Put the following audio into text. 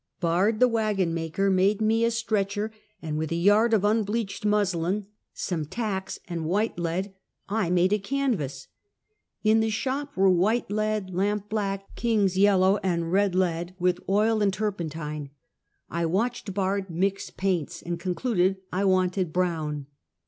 Bard, the wagon maker, made me a stretcher, and with a yard of unbleached muslin, some tacks and white lead, I made a canvas. In the shop were white lead, lampblack, king's yellow and red lead, with oil and turpentine. I watched Bard m.ix paints, and con cluded I wanted brown.